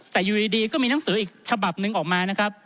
แต่อยู่ดีก็มีหนังสืออีกฉบับหนึ่งออกมานะครับ